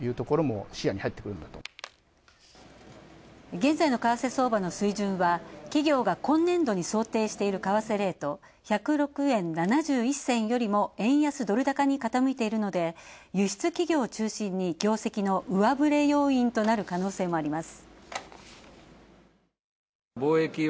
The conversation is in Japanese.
現在の為替相場の水準は企業が今年度に想定している為替レート、１０６円７１銭よりも円安・ドル高に傾いているので輸出企業を中心に業績の上ぶれ要因となる可能性もあります。